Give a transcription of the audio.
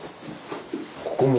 ここも？